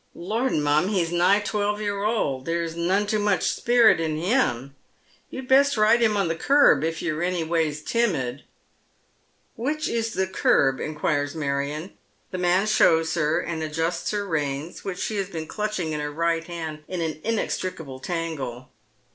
*' liord, mum, he's nigh twelve year old, there's none too much Tilherry SteeplechoM, 203 «pcrnt in him. You'd best ride him on the curb if you're any wa)'s timid." ■' Which is the curb ?" inquires Marion. The man shows her, and adjusts her reins, which she has been rhitrhing in her pgiit hand in an inextricable tangle.